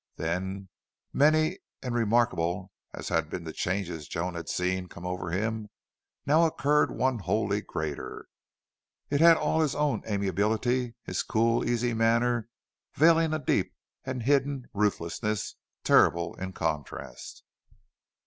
Then, many and remarkable as had been the changes Joan had seen come over him, now occurred one wholly greater. It had all his old amiability, his cool, easy manner, veiling a deep and hidden ruthlessness, terrible in contrast.